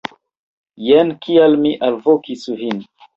Jen kial mi alvokis vin.